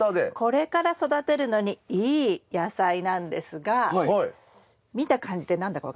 これから育てるのにいい野菜なんですが見た感じで何だか分かりますか？